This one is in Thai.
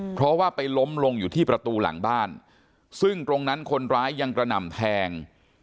เพราะว่าไปล้มลงอยู่ที่ประตูหลังบ้านซึ่งตรงนั้นคนร้ายยังกระหน่ำแทง